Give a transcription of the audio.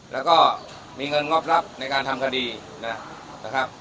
แล้วก็มีเงินงอบรับในการทำคดีนะครับ